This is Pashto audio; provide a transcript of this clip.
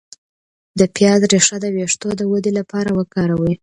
د پیاز ریښه د ویښتو د ودې لپاره وکاروئ